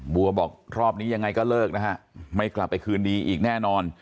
บอกรอบนี้ยังไงก็เลิกนะฮะไม่กลับไปคืนดีอีกแน่นอน